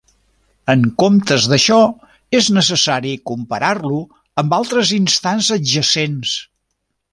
En comptes d'això, és necessari comparar-lo amb altres instants adjacents.